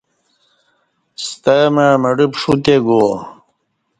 ستمع مڑہ پݜو تہ گوا